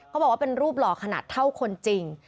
เขาบอกว่าเป็นรูปหล่อขนาดเท่าคนจริง